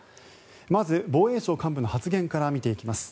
まず、防衛省幹部の発言から見ていきます。